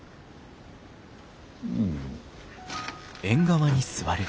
うん。